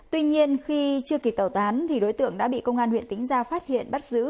tuy nhiên khi chưa kịp tẩu tán đối tượng đã bị công an huyện tĩnh gia phát hiện bắt giữ